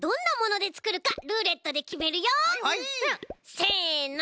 せの。